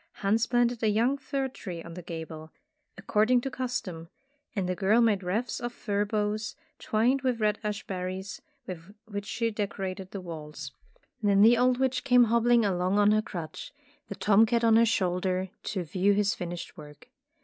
Hans planted a young fir tree on the gable, according to custom, and the girl made wreaths of fir boughs twined with red ash berries, with which she decorated the walls. Tales of Modern Germany 155 Then the old witch came hobbling along on her crutch, the tom cat on her shoulder, to view his finished work.